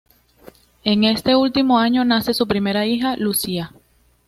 En este último año nace su primera hija, Lucia.